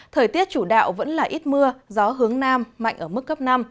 thời tiết chủ đạo vẫn là ít mưa gió hướng nam mạnh ở mức cấp năm